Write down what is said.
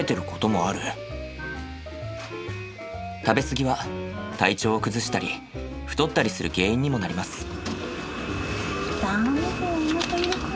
食べ過ぎは体調を崩したり太ったりする原因にもなります。